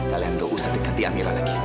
kalian gak usah dekati amira lagi